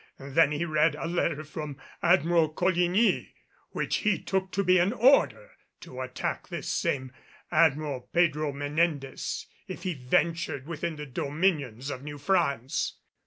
Then he read a letter from Admiral Coligny which he took to be an order to attack this same Admiral Pedro Menendez if he ventured within the dominions of New France.